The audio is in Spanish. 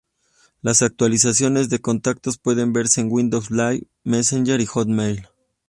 Las actualizaciones de contactos pueden verse en Windows Live Messenger y Hotmail.